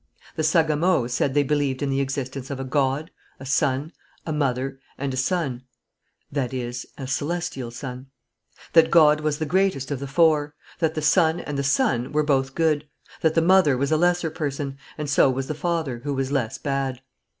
The sagamo said they believed in the existence of a God, a son, a mother and a sun; that God was the greatest of the four; that the son and the sun were both good; that the mother was a lesser person, and so was the father, who was less bad.